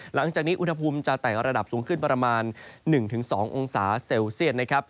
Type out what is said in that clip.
หลังจากนี้อุณหภูมิจะไต่ระดับสูงขึ้นประมาณ๑๒องศาเซลเซียตนะครับ